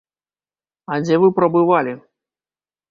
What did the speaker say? А дзе вы прабывалі?